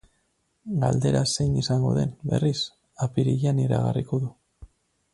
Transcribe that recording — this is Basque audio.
Galdera zein izango den, berriz, apirilean iragarriko du.